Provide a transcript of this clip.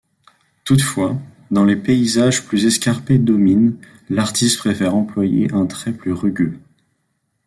Toutefois, dans les paysages plus escarpés d’Ōmine, l’artiste préfère employer un trait plus rugueux.